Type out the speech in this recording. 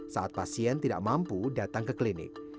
saat pasien tidak mampu datang ke klinik